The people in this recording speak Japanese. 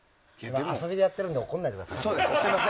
遊びでやってるんで怒らないでください。